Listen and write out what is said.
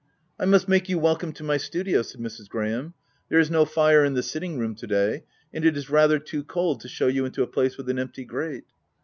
w I must make you welcome to my studio, 84 THE TENANT said Mrs. Graham ;" there is no fire in the sitting room to day, and it is rather too cold to shew you into a place with an empty grate."